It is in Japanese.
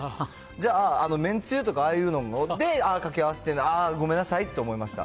じゃあ、めんつゆとかああいうので掛け合わせてるんだ、ああ、ごめんなさいって思いました。